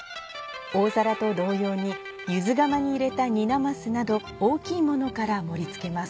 大皿と同様に柚子釜に入れた煮なますなど大きいものから盛りつけます。